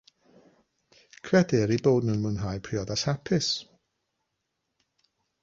Credir eu bod nhw'n mwynhau priodas hapus.